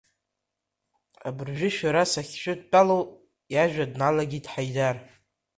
Абыржәы шәара сахьшәыдтәалоу, иажәа дналагеит Ҳаидар…